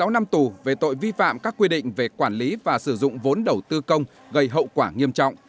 một mươi năm tù về tội vi phạm các quy định về quản lý và sử dụng vốn đầu tư công gây hậu quả nghiêm trọng